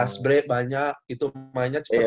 pas bre banyak itu mainnya cepet banget